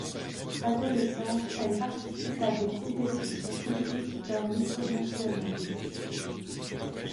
Adolescente, elle participe à des compétitions hippiques d'un niveau national.